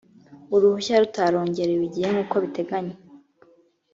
uruhushya rutarongerewe igihe nk uko biteganywa